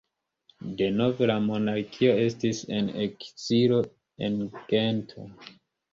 Denove la monarkio estis en ekzilo, en Gento.